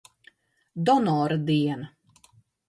Donora diena.